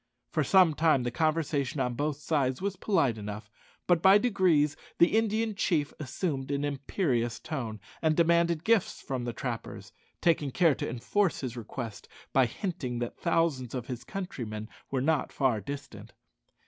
For some time the conversation on both sides was polite enough, but by degrees the Indian chief assumed an imperious tone, and demanded gifts from the trappers, taking care to enforce his request by hinting that thousands of his countrymen were not far distant.